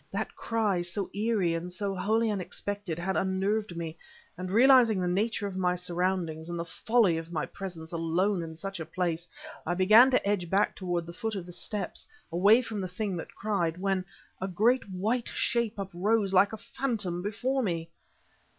That cry, so eerie and so wholly unexpected, had unnerved me; and realizing the nature of my surroundings, and the folly of my presence alone in such a place, I began to edge back toward the foot of the steps, away from the thing that cried; when a great white shape uprose like a phantom before me!...